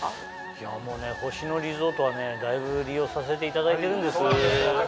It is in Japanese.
いやもうね星野リゾートはだいぶ利用させていただいてるんです。